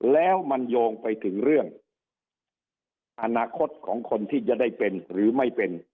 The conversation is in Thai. แล้วมันโยงไปถึงเรื่องอนาคตของคนที่จะได้เป็นหรือไม่เป็น